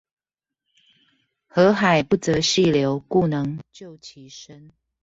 河海不擇細流，故能就其深